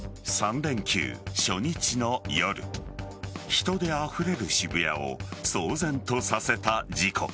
３連休初日の夜人であふれる渋谷を騒然とさせた事故。